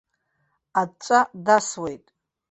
Аҵәҵәа дасуеит.